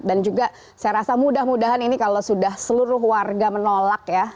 dan juga saya rasa mudah mudahan ini kalau sudah seluruh warga menolak ya